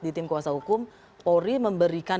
di tim kuasa hukum polri memberikan